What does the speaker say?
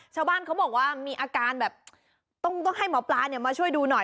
ชาวบ้านเขาบอกว่ามีอาการแบบต้องให้หมอปลามาช่วยดูหน่อย